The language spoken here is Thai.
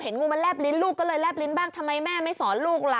งูมันแลบลิ้นลูกก็เลยแลบลิ้นบ้างทำไมแม่ไม่สอนลูกล่ะ